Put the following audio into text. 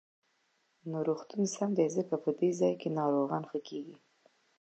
نو روغتون سم دی، ځکه په دې ځاى کې ناروغان ښه کېږي.